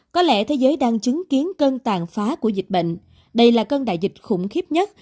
có lẽ thế giới đang chứng kiến cơn tàn phá của dịch bệnh đây là cơn đại dịch khủng khiếp nhất